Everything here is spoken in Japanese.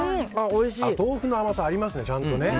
豆腐の甘さありますねちゃんとね。